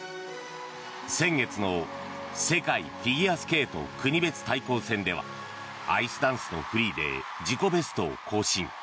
先月の世界フィギュアスケート国別対抗戦ではアイスダンスのフリーで自己ベストを更新。